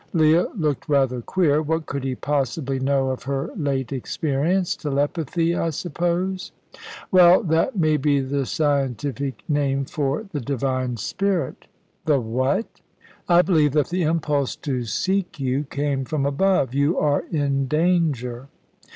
Leah looked rather queer. What could he possibly know of her late experience? "Telepathy, I suppose." "Well, that may be the scientific name for the Divine Spirit." "The what?" "The Divine Spirit," he repeated, firmly and seriously. "I believe that the impulse to seek you came from above. You are in danger."